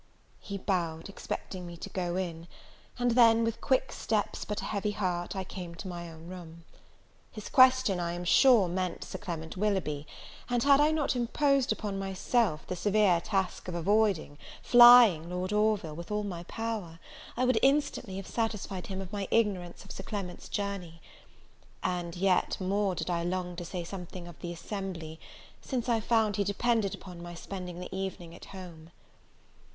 He bowed, expecting me to go; and then, with quick steps, but a heavy heart, I came to my own room. His question, I am sure, meant Sir Clement Willoughby; and had I not imposed upon myself the severe task of avoiding, flying Lord Orville, with all my power, I would instantly have satisfied him of my ignorance of Sir Clement's journey. And yet more did I long to say something of the assembly, since I found he depended upon my spending the evening at home.